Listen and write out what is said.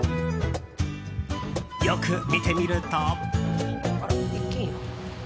よく見てみると。